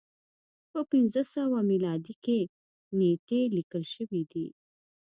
په پنځه سوه میلادي کال کې نېټې لیکل شوې دي.